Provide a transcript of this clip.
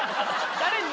誰に？